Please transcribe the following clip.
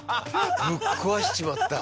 ぶっ壊しちまった。